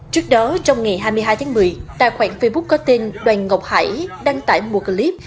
trước đó trong ngày hai mươi hai tháng một mươi tài khoản facebook có tên đoàn ngọc hải đăng tải một clip